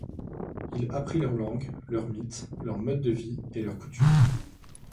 Il apprit leur langue, leurs mythes, leur mode de vie et leurs coutumes.